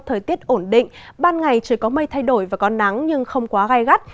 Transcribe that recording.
thời tiết ổn định ban ngày trời có mây thay đổi và có nắng nhưng không quá gai gắt